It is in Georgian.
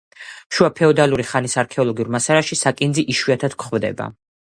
შუა ფეოდალური ხანის არქეოლოგიურ მასალაში საკინძი იშვიათად გვხვდება.